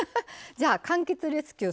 じゃあ「かんきつレスキュー」